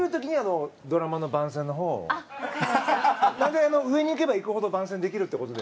なので、上に行けば行くほど番宣できるって事で。